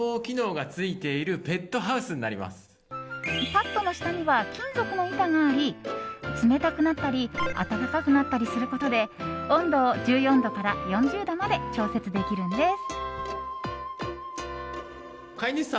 パッドの下には金属の板があり冷たくなったり温かくなったりすることで温度を１４度から４０度まで調節できるんです。